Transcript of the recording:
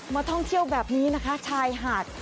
ท่องเที่ยวแบบนี้นะคะชายหาด